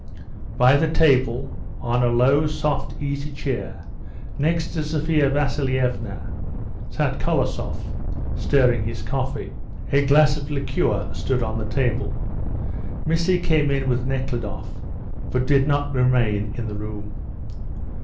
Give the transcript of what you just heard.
By the table, on a low, soft, easy chair, next to Sophia Vasilievna, sat Kolosoff, stirring his coffee. A glass of liqueur stood on the table. Missy came in with Nekhludoff, but did not remain in the room.